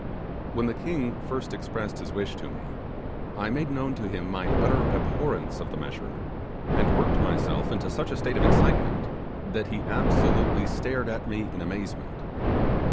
When the king first expressed his wish to me, I made known to him my utter abhorrence of the measure, and worked myself into such a state of excitement, that he absolutely stared at me in amazement.